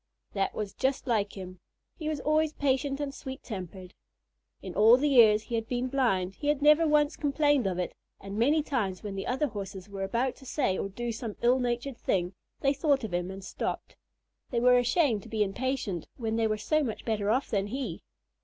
That was just like him. He was always patient and sweet tempered. In all the years he had been blind, he had never once complained of it, and many times when the other Horses were about to say or do some ill natured thing, they thought of him and stopped. They were ashamed to be impatient when they were so much better off than he.